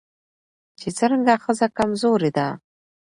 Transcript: چې څرنګه ښځه کمزورې ده